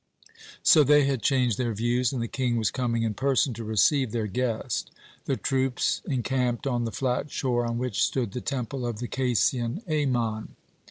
So they had changed their views, and the King was coming in person to receive their guest. The troops encamped on the flat shore on which stood the Temple of the Casian Amon.